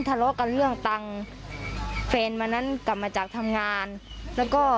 ทะเลาะกันเรื่องตังค์แฟนวันนั้นกลับมาจากทำงานแล้วก็